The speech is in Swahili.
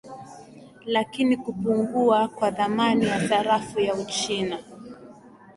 lakini kupungua kwa thamani ya sarafu ya uchina